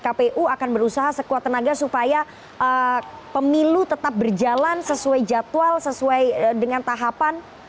kpu akan berusaha sekuat tenaga supaya pemilu tetap berjalan sesuai jadwal sesuai dengan tahapan